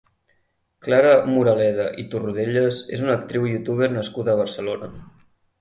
Clara Moraleda i Torrodellas és una actriu i youtuber nascuda a Barcelona.